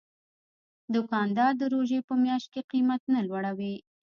دوکاندار د روژې په میاشت کې قیمت نه لوړوي.